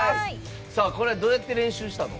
これ、どうやって練習したの？